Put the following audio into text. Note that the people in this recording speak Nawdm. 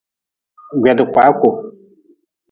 Gwedkpaaku.